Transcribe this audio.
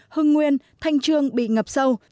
hưng nguyên thanh trương bị ngập sâu